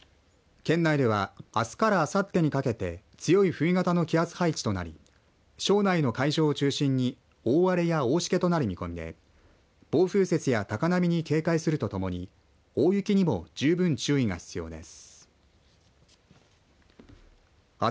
県内ではあすからあさってにかけて強い冬型の気圧配置となり庄内の海上を中心に大荒れや大しけとなる見込みで暴風雪や高波に警戒するとともに大雪にも十分注意が必要です。